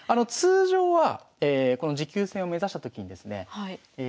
通常はこの持久戦を目指したときにですね